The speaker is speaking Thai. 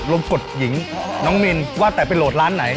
มกดหญิงน้องมินว่าแต่ไปโหลดร้านไหน